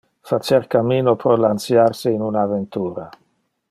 Facer camino pro lancear se in un aventura.